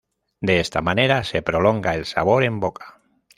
De esta manera se prolonga el sabor en boca.